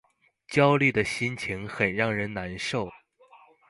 焦慮的心情很讓人難受